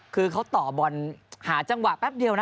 คือเขาต่อบอลหาจังหวะแป๊บเดียวนะ